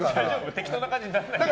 適当な感じにならない？